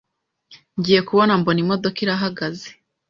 ngiye kubona mbona imodoka irahagaze